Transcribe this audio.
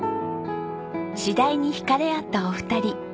次第に引かれ合ったお二人。